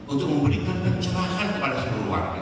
untuk memberikan pencerahan pada semua warga